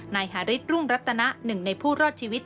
นายหาริสรุ่งรัตนะหนึ่งในผู้รอดชีวิต